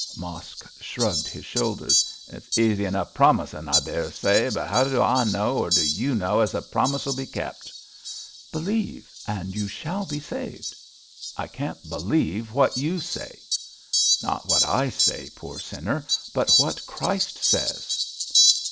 Mosk shrugged his shoulders. 'It's easy enough promisin', I daresay; but 'ow do I know, or do you know as the promise 'ull be kept?' 'Believe and you shall be saved.' 'I can't believe what you say.' 'Not what I say, poor sinner, but what Christ says.'